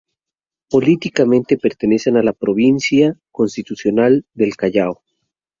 Políticamente pertenecen a la Provincia Constitucional del Callao.